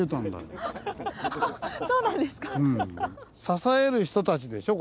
支える人たちでしょ